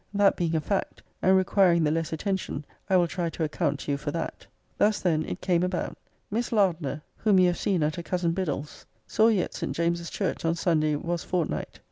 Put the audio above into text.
That being a fact, and requiring the less attention, I will try to account to you for that. Thus, then, it came about: 'Miss Lardner (whom you have seen at her cousin Biddulph's) saw you at St. James's Church on Sunday was fort night.